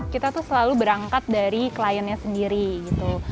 kita tuh selalu berangkat dari kliennya sendiri gitu